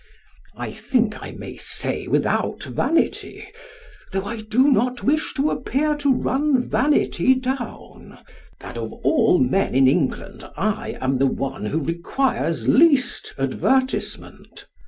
I think I may say without vanity though I do not wish to appear to run vanity down that of all men in England I am the one who requires least advertisement.